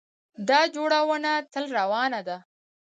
دا جوړونه تل روانه ده.